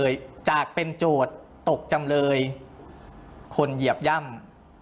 จากเป็นโจทย์ตกจำเลยคนเหยียบย่ำ